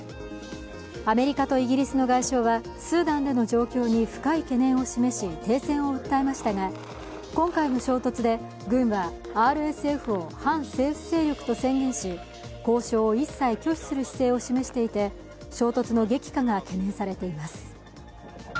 アメリカとイギリスの外相はスーダンでの状況に深い懸念を示し、停戦を訴えましたが、今回の衝突で軍はＲＳＦを反政府勢力と宣言し交渉を一切拒否する姿勢を示していて衝突の激化が懸念されています。